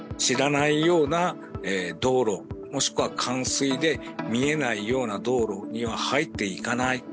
知らないような道路もしくは冠水で見えないような道路には入っていかない。